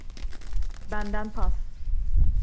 Benden pas.